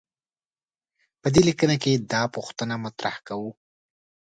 په دې لیکنه کې دا پوښتنه مطرح کوو.